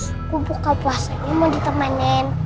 aku buka puasanya mau ditemenin